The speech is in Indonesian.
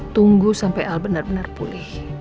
tunggu sampai al benar benar pulih